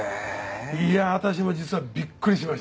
いや私も実はびっくりしました。